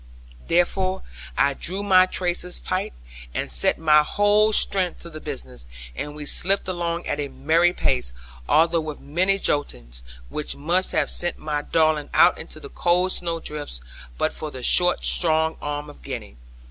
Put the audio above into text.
Therefore, I drew my traces tight, and set my whole strength to the business; and we slipped along at a merry pace, although with many joltings, which must have sent my darling out into the cold snowdrifts but for the short strong arm of Gwenny.